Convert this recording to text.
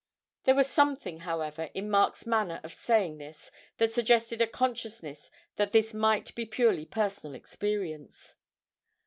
There was something, however, in Mark's manner of saying this that suggested a consciousness that this might be a purely personal experience.